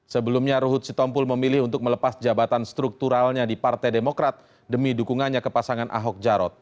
sebelumnya ruhut sitompul memilih untuk melepas jabatan strukturalnya di partai demokrat demi dukungannya ke pasangan ahok jarot